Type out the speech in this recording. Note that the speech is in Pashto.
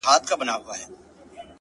• لا یې پخوا دي ورځي سختي نوري,